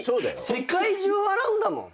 世界中笑うんだもん。